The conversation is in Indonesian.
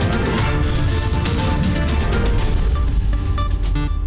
kita akan menutup